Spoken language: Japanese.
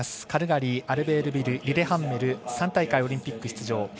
カルガリー、アルベールビルリレハンメル３大会オリンピック出場。